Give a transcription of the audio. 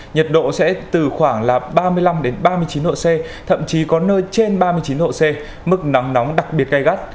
nhiệt độ sẽ từ khoảng ba mươi năm ba mươi chín độ c thậm chí có nơi trên ba mươi chín độ c mức nắng nóng đặc biệt gây gắt